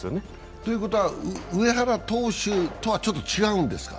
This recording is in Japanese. ということは上原投手とは何か違うんですか？